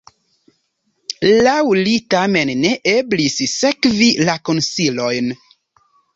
Laŭ li tamen ne eblis sekvi la konsilojn.